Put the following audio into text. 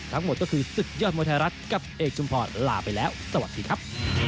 ทั้งหมดก็คือศึกยอดมวยไทยรัฐกับเอกชุมพรลาไปแล้วสวัสดีครับ